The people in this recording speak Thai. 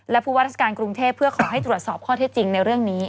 และผู้ว่าราชการกรุงเทพเพื่อขอให้ตรวจสอบข้อเท็จจริงในเรื่องนี้